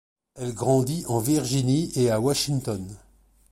Elle grandit en Virginie et à Washington.